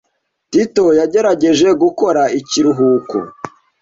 Tito yagerageje gukora ikiruhuko.